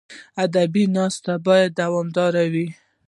ادبي ناسته باید دوامداره وي.